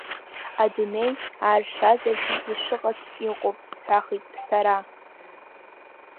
Адунеи ааршазаргьы ишыҟац иҟоуп, сҳәахит сара.